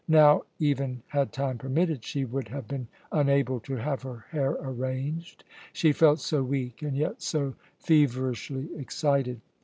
Now, even had time permitted, she would have been unable to have her hair arranged, she felt so weak and yet so feverishly excited.